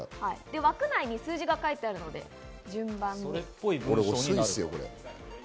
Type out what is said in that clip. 枠内に数字が書いてあるので、順番に。